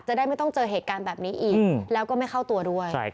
จะได้ไม่ต้องเจอเหตุการณ์แบบนี้อีกแล้วก็ไม่เข้าตัวด้วย